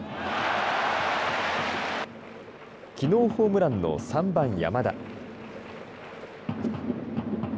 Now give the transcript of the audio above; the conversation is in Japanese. きのうホームランの３番、山田。